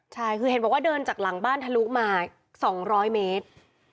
ใช่คือเห็นบอกว่าเดินจากหลังบ้านทะลุมา๒๐๐เมตร